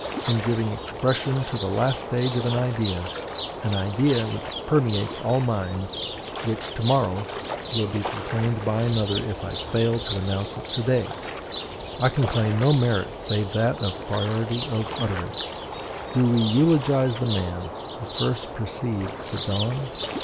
In giving expression to the last stage of an idea, an idea which permeates all minds, which to morrow will be proclaimed by another if I fail to announce it to day, I can claim no merit save that of priority of utterance. Do we eulogize the man who first perceives the dawn?